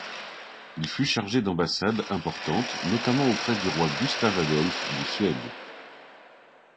Il fut chargé d'ambassades importantes, notamment auprès du roi Gustave-Adolphe de Suède.